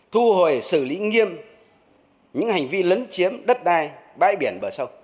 thu hồi xử lý nghiêm những hành vi lấn chiếm đất đai bãi biển bờ sông